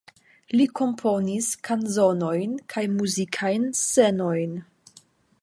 Li komponis kanzonojn kaj muzikajn scenojn.